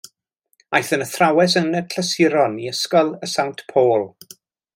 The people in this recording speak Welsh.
Aeth yn athrawes yn y clasuron i Ysgol y Sant Paul.